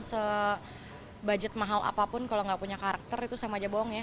se budget mahal apapun kalau nggak punya karakter itu sama aja bohong ya